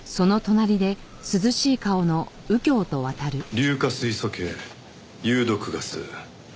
硫化水素系有毒ガス。